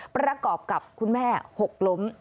ประกอบกับคุณแม่หกล้ม